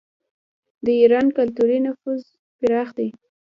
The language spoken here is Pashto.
د ایران کلتوري نفوذ پراخ دی.